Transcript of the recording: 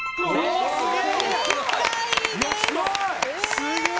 すごい。